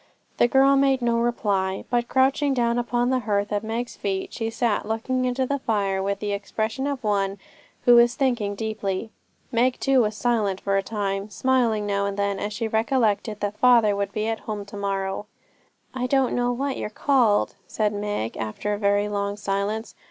The girl made no reply, but crouching down upon the hearth at Meg's feet, she sat looking into the fire with the expression of one who is thinking deeply. Meg too was silent for a time, smiling now and then as she recollected that father would be at home to morrow. 'I don't know what you're called,' said Meg, after a very long silence.